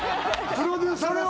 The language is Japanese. プロデューサーの才能が。